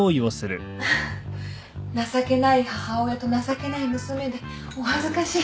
情けない母親と情けない娘でお恥ずかしい。